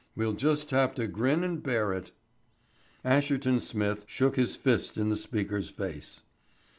We'll just have to grin and bear it." Asherton Smith shook his fist in the speaker's face.